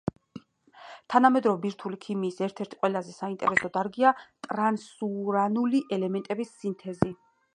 თანამედროვე ბირთვული ქიმიის ერთ-ერთი ყველაზე საინტერესო დარგია ტრანსურანული ელემენტების სინთეზი.